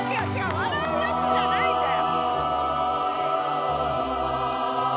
笑うやつじゃないんだよ。